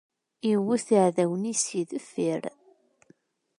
Iwt iɛdawen-is si deffir.